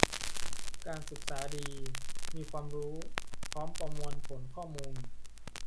การศึกษาดี มีความรู้ พร้อมประมวลผลข้อมูล